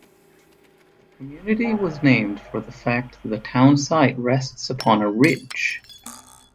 The community was named for the fact the town site rests upon a ridge.